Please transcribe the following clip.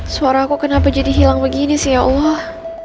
suara aku kenapa jadi hilang begini sih ya allah